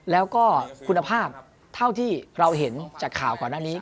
แล้วก็คุณภาพเท่าที่เราเห็นจากข่าวก่อนหน้านี้